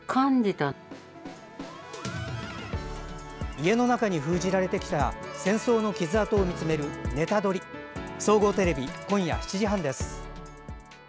家の中に封じられてきた戦争の傷痕を見つめる「ネタドリ！」総合テレビ、今夜７時半です。